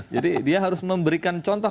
dia harus memberikan contoh